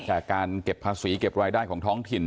จากการเก็บภาษีเก็บรายได้ของท้องถิ่น